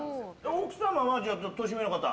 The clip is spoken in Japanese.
奥様は年上の方？